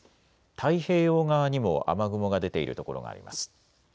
太平洋側にも雨雲が出ている所があります。